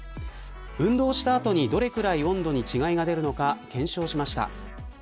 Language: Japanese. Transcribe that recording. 運動した後にどれくらい温度に違いが出るのか検証しました。